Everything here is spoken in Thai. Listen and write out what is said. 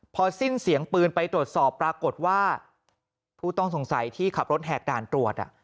พอสิ้นเสียงปืนไปตรวจสอบปรากฏว่าผู้ต้องสงสัยที่ขับรถแหกด่านตรวจ